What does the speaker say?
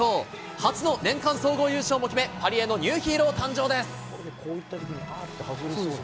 初の年間総合優勝も決め、パリへのニューヒーロー誕生です。